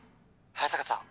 ☎早坂さん